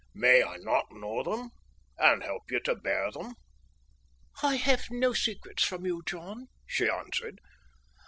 "May I not know them, and help you to bear them?" "I have no secrets from you, John," she answered.